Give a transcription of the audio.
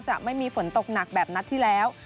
จะไม่มีฝนตกหนักแบบนัดที่แล้ว